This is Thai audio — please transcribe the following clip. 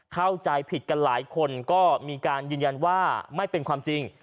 เข้าใจผิดกันหลายคนก็มีการยืนยันว่าไม่เป็นความจริง